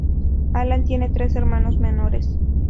Alan tiene tres hermanos menores.